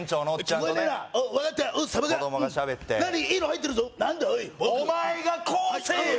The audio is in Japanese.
僕お前がこうせえよ！